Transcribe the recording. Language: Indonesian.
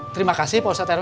terima kasih pak ustadz rw